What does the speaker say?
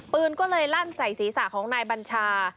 ปืนก็เลยลั่นใส่ศีรษะของนายบัญชา